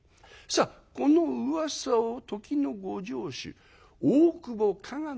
さあこのうわさを時のご城主大久保加賀